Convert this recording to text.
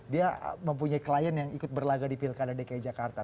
dia mempunyai klien yang ikut berlaga di pilkada dki jakarta